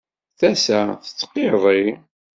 Tasa tettqiṛṛi.